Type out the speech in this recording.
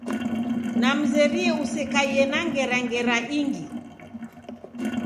Namzerie usekaie na ngera ngera ingi.